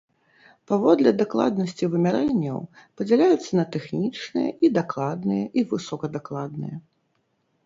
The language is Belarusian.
Паводле дакладнасці вымярэнняў падзяляюцца на тэхнічныя і дакладныя і высокадакладныя.